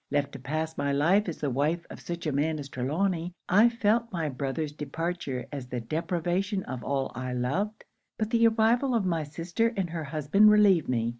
Left to pass my life as the wife of such a man as Trelawny, I felt my brother's departure as the deprivation of all I loved. But the arrival of my sister and her husband relieved me.